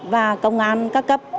và công an các cấp